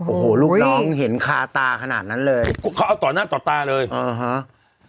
โอ้โหลูกน้องเห็นคาตาขนาดนั้นเลยเขาเอาต่อหน้าต่อตาเลยอ่าฮะ